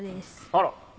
あら。